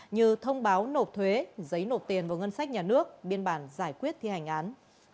như thông báo nộp thuế giấy nộp tiền vào ngân sách nhà nước biên bản giải quyết thi hành án